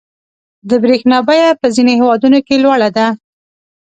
• د برېښنا بیه په ځینو هېوادونو کې لوړه ده.